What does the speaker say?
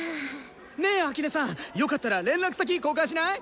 ねえ秋音さんよかったら連絡先交換しない？